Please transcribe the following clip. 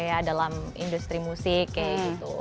kesehatan korea dalam industri musik kayak gitu